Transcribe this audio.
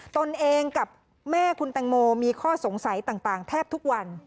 ตนเองกับแม่คุณแตงโมมีข้อสงสัยต่างแทบทุกวัน